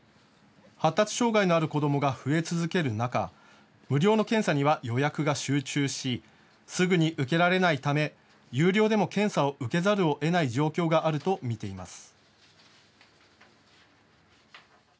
発達障害のある子どもが増え続ける中、無料の検査には予約が集中しすぐに受けられないため有料でも検査を受けざるをえない状況があると見ています。